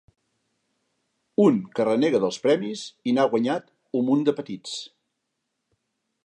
Un que renega dels premis i n'ha guanyat un munt de petits.